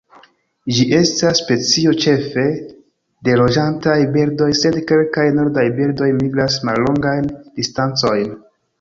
Ĝi estas specio ĉefe de loĝantaj birdoj, sed kelkaj nordaj birdoj migras mallongajn distancojn.